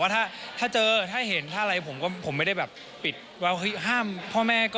ถ้าเจอถ้าเห็นแบบผมไม่ได้แบบปิดแล้วว่าคือห้ามพ่อแม่